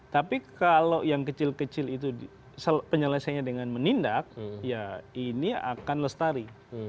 tapi kalau yang kecil kecil itu penyelesaiannya dengan menindak ya ini akan lestari